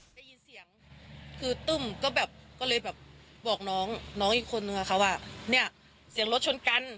ได้ยินเสียงคือตุ้มก็เลยบอกน้องอีกคนนึงค่ะว่าเสียงรถชนกัน